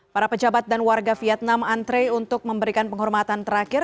para pejabat dan warga vietnam antre untuk memberikan penghormatan terakhir